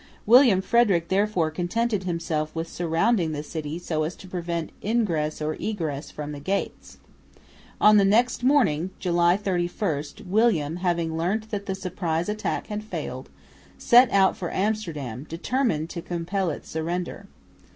William Frederick therefore contented himself with surrounding the city, so as to prevent ingress or egress from the gates. On the next morning, July 31, William, having learnt that the surprise attack had failed, set out for Amsterdam, determined to compel its surrender.